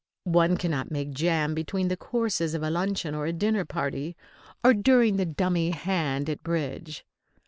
One cannot make jam between the courses of a luncheon or a dinner party, or during the dummy hand at bridge.